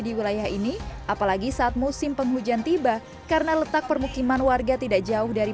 di wilayah ini apalagi saat musim penghujan tiba karena letak permukiman warga tidak jauh dari